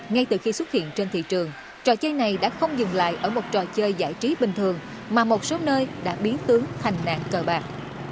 ngay từ khi xuất hiện trên thị trường trò chơi này đã không dừng lại ở một trò chơi giải trí bình thường mà một số nơi đã biến tướng thành nạn cờ bạc